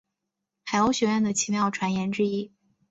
海鸥学园的奇妙传言之一。